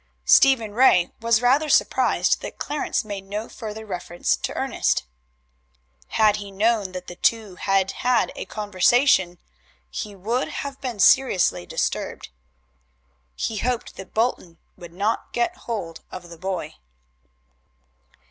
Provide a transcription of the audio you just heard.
Stephen Ray was rather surprised that Clarence made no further reference to Ernest. Had he known that the two had had a conversation he would have been seriously disturbed. He hoped that Bolton would not get hold of the boy.